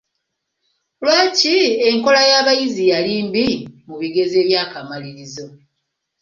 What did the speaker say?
Lwaki enkola y'abayizi yali mbi mu bigezo eby'akamalirizo?